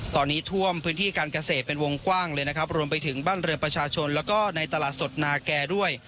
ตอนนี้ท่วมพื้นที่การเกษตรเป็นวงกว้างเลยนะครับรวมไปถึงบ้านเรือประชาชนแล้วก็ในตลาดสดนาแก่ด้วย